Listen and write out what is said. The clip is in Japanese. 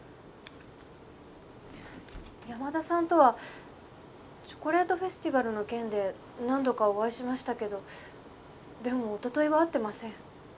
山田さんとはチョコレートフェスティバルの件で何度かお会いしましたけどでも一昨日は会ってません。